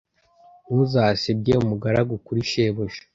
ntuzasebye umugaragu kuri shebuja